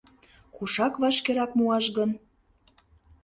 Кушак вашкерак муаш гын?